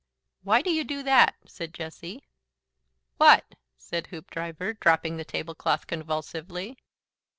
"Why do you do that?" said Jessie. "WHAT?" said Hoopdriver, dropping the tablecloth convulsively.